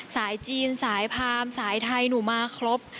สายจีนสายพามสายไทยหนูมาครบ